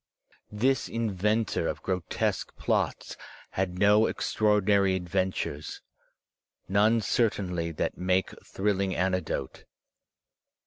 This inventor of grotesque plots had no eirtra ordinary adventures, none certainly that make thrilling anecdote.